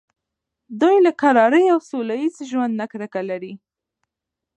دوی له کرارۍ او سوله ایز ژوند نه کرکه لري.